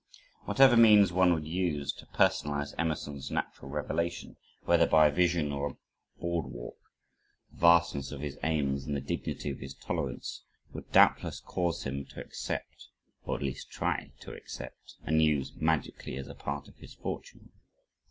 Whatever means one would use to personalize Emerson's natural revelation, whether by a vision or a board walk, the vastness of his aims and the dignity of his tolerance would doubtless cause him to accept or at least try to accept, and use "magically as a part of his fortune."